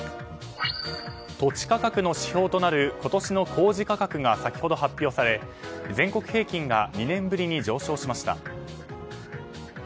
土地価格の指標となる今年の公示価格が先ほど発表され、全国平均が２年ぶりに上昇しました。